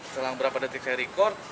setelah berapa detik saya record